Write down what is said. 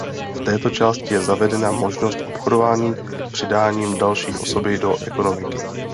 V této části je zavedena možnost obchodování přidáním další osoby do ekonomiky.